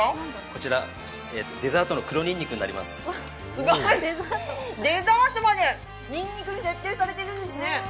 こちらデザートの黒にんにくになりますすごい、デザートまでにんにくに徹底されてるんですね。